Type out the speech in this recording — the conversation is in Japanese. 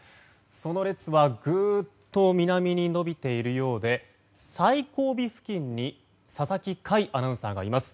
その列はぐっと南に延びているようで最後尾付近に佐々木快アナウンサーがいます。